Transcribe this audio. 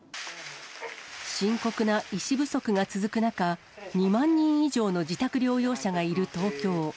深刻な医師不足が続く中、２万人以上の自宅療養者がいる東京。